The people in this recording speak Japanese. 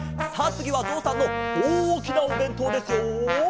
つぎはぞうさんのおおきなおべんとうですよ。